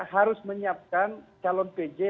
harus menyiapkan calon pj